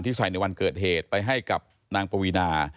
ใส่ในวันเกิดเหตุไปให้กับนางปวีนา